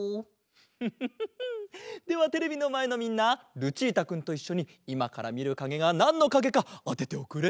フフフフではテレビのまえのみんなルチータくんといっしょにいまからみるかげがなんのかげかあてておくれ。